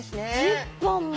１０本も！